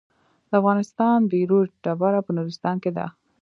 د افغانستان بیروج ډبره په نورستان کې ده